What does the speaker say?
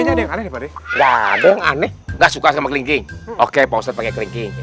ga ada yang aneh ga suka sama kelingking oke pausat pake kelingking